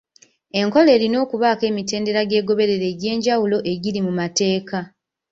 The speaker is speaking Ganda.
Enkola erina okubaako emitendera gyegoberera egy'enjawulo egiri mu mateeka.